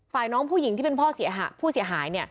ฝ่ายน้องผู้หญิงที่เป็นพ่อผู้เสียหาย